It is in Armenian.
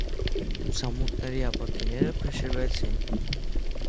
Լուսամուտների ապակիները փշրվեցին։